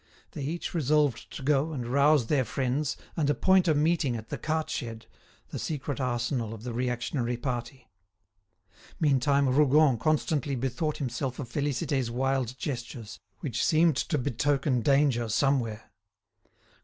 They each resolved to go and rouse their friends, and appoint a meeting at the cart shed, the secret arsenal of the reactionary party. Meantime Rougon constantly bethought himself of Félicité's wild gestures, which seemed to betoken danger somewhere.